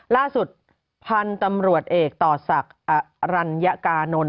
ล่าสุดพันธุ์ตำรวจเอกต่อศักดิ์อรัญกานนท์